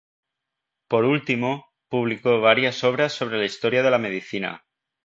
Por último, publicó varias obras sobre la historia de la medicina.